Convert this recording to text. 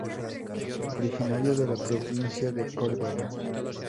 Originario de la provincia de Córdoba.